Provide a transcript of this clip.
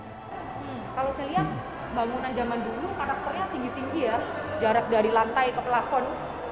kalau saya lihat bangunan zaman dulu karakternya tinggi tinggi ya jarak dari lantai ke pelafon